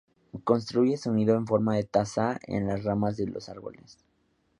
Construye su nido en forma de taza en las ramas de los árboles.